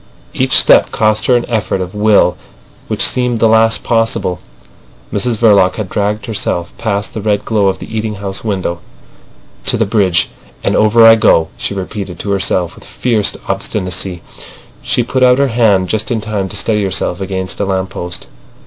Each step cost her an effort of will which seemed the last possible. Mrs Verloc had dragged herself past the red glow of the eating house window. "To the bridge—and over I go," she repeated to herself with fierce obstinacy. She put out her hand just in time to steady herself against a lamp post.